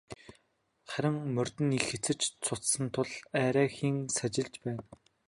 Харин морьд нь их эцэж цуцсан тул арайхийн сажилж байна.